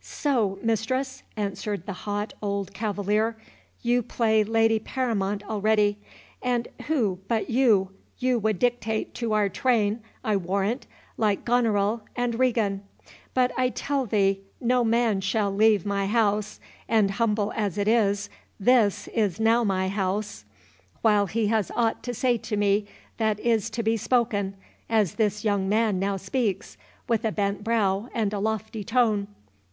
"So, mistress!" answered the hot old cavalier, "you play lady paramount already; and who but you!—you would dictate to our train, I warrant, like Goneril and Regan! But I tell thee, no man shall leave my house—and, humble as it is, this is now my house—while he has aught to say to me that is to be spoken, as this young man now speaks, with a bent brow and a lofty tone.